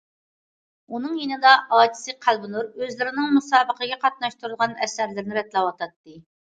ئۇنىڭ يېنىدا ئاچىسى قەلبىنۇر ئۆزلىرىنىڭ مۇسابىقىگە قاتناشتۇرىدىغان ئەسەرلىرىنى رەتلەۋاتاتتى.